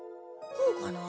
こうかな？